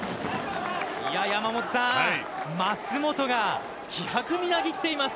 山本さん、舛本が気迫みなぎっています。